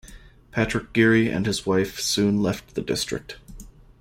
Patrick Geary and his wife soon left the district.